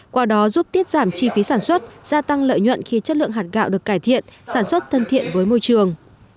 qua đó giúp tiết giảm chi phí sản xuất gia tăng lợi nhuận khi chất lượng hạt gạo được cải thiện sản xuất thân thiện với môi trường